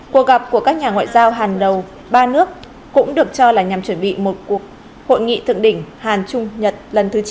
cuộc gặp của các nhà ngoại giao hàn đầu ba nước cũng được cho là nhằm chuẩn bị một cuộc hội nghị thượng đỉnh hàn trung nhật lần thứ chín